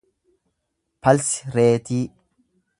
palsi reetii